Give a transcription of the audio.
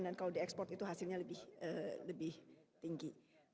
dan kalau diekspor itu hasilnya lebih tinggi